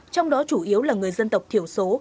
trong đó chủ yếu là người dân tộc thiểu số